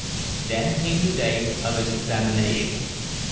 Then came the day of his examination.